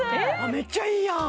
めっちゃいいやん！